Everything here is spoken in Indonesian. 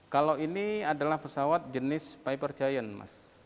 kalau ini adalah pesawat jenis piper giant mas